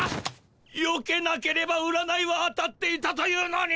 よけなければ占いは当たっていたというのに。